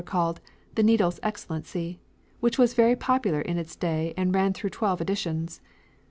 called "The Needle's Excellency," which was very popular in its day and ran through twelve editions.